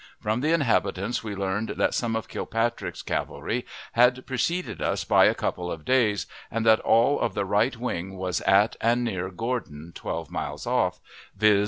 From the inhabitants we learned that some of Kilpatrick's cavalry had preceded us by a couple of days, and that all of the right wing was at and near Gordon, twelve miles off, viz.